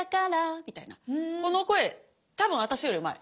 みたいなこの声多分私よりうまい。